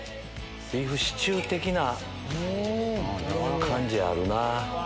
ビーフシチュー的な感じあるな。